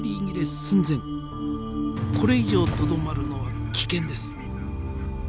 これ以上とどまるのは危険です。